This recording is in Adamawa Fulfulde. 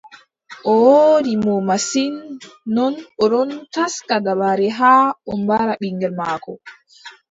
O wooɗi mo masin, non, o ɗon taska dabare haa o mbara ɓiŋngel maako.